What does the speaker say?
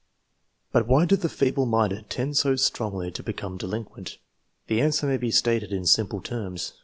1 But why do the feeble minded tend so strongly to be come delinquent? The answer may be stated in simple terms.